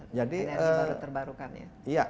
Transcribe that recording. energi baru terbarukan ya